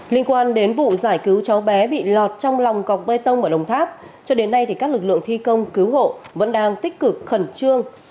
liên quan đến vụ giải cứu cháu bé bị lọt trong lòng cọc bê tông ở đồng tháp cho đến nay các lực lượng thi công cứu hộ vẫn đang tích cực khẩn trương